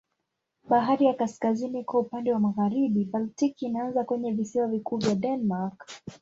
Bahari ya Kaskazini iko upande wa magharibi, Baltiki inaanza kwenye visiwa vikuu vya Denmark.